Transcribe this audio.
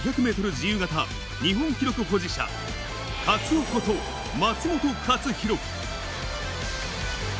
自由形日本記録保持者、カツオこと、松元克央。